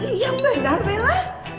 iya benar bella